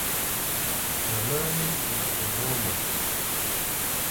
Her learning is enormous.